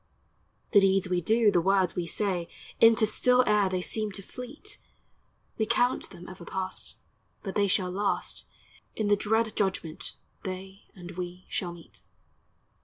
The deeds we do, the words we say, Into still air they seem to fleet, We count them ever past; But they shall last, In the dread judgment they And we shall meet.